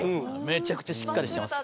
めちゃくちゃしっかりしてます